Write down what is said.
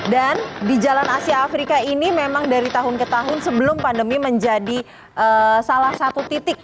di jalan asia afrika ini memang dari tahun ke tahun sebelum pandemi menjadi salah satu titik